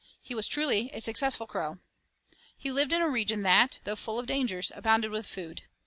He was truly a successful crow. He lived in a region that, though full of dangers, abounded with food.